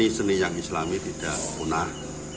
agar budaya budaya yang islami tidak punah